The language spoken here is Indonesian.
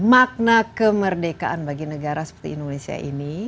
makna kemerdekaan bagi negara seperti indonesia ini